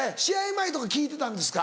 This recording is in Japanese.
前とか聴いてたんですか？